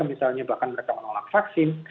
misalnya bahkan mereka menolak vaksin